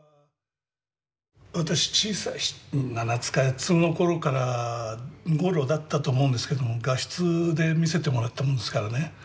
私小さい７つか８つの頃だったと思うんですけども画室で見せてもらったものですからね。